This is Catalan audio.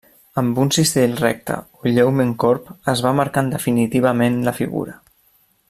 Amb un cisell recte o lleument corb es va marcant definitivament la figura.